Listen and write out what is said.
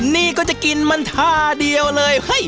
นี่ก็จะกินมันท่าเดียวเลย